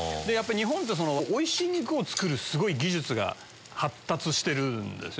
日本っておいしい肉をつくるすごい技術が発達してるんです。